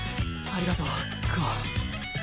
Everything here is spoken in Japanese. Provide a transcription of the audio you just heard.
ありがとう久遠。